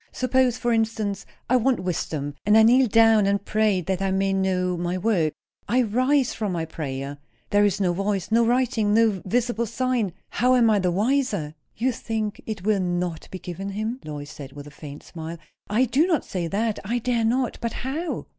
Suppose, for instance, I want wisdom; and I kneel down and pray that I may know my work. I rise from my prayer, there is no voice, nor writing, nor visible sign; how am I the wiser?" "You think it will not be given him?" Lois said, with a faint smile. "I do not say that. I dare not. But how?"